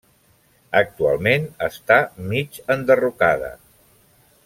Actualment està mig enderrocada.